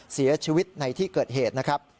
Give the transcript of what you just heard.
เสียชีวิตในที่เกิดเหตุนะครับ